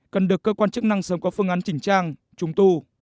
cần được cơ quan chức năng sống có phương án chỉnh trang trùng tu